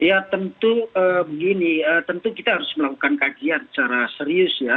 ya tentu begini tentu kita harus melakukan kajian secara serius ya